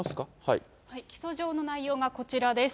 起訴状の内容がこちらです。